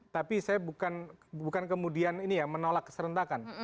tapi saya bukan kemudian menolak keserentakan